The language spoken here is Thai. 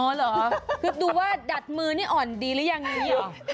อ๋อเหรอคือดูว่าดัดมือนี่อ่อนดีหรือยังงี้